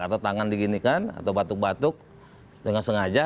atau tangan diginikan atau batuk batuk dengan sengaja